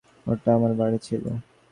ওটা আমার বাড়ি ছিলো।